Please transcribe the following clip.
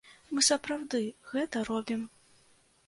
Мы сапраўды гэта робім.